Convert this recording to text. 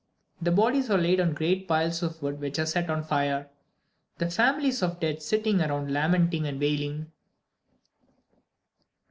The bodies are laid on great piles of wood which are set on fire, the families of the dead sitting around lamenting and wailing.